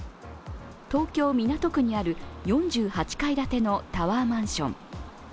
東京・港区にある４８階建てのタワーマンション。